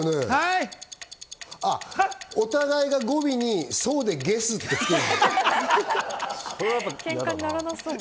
お互いが語尾に「そうでげす」ってつける。